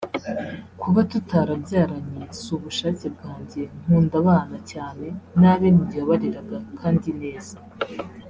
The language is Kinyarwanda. Kuba tutarabyaranye si ubushake bwanjye nkunda abana cyane n’abe ni jye wabareraga kandi neza